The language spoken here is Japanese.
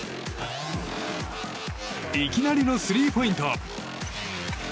いきなりのスリーポイント。